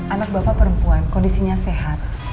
anak bapak perempuan kondisinya sehat